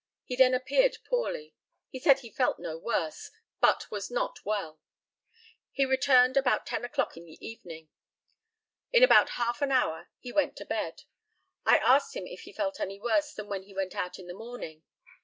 He then appeared poorly. He said he felt no worse, but was not well. He returned about ten o'clock in the evening. In about half an hour he went to bed. I asked him if he felt any worse than when he went out in the morning.